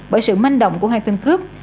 bởi sự manh động của hai tên cướp